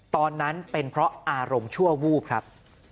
ตอนนั้นเป็นเพราะอารมณ์ชั่ววูบครับ